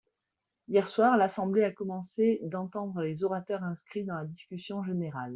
Hier soir, l’Assemblée a commencé d’entendre les orateurs inscrits dans la discussion générale.